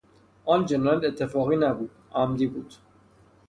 آن جنایت اتفاقی نبود; عمدی بود.